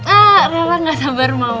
eh rara gak sabar sabar